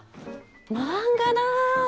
漫画だ！